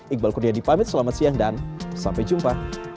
iqbal kurnia dipamit selamat siang dan sampai jumpa